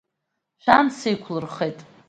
Шәан сеиқәлырхеит.